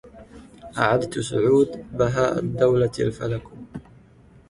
أعدت سعود بهاء الدولة الفلك